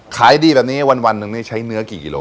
ขายดีแบบนี้วันหนึ่งนี่ใช้เนื้อกี่กิโล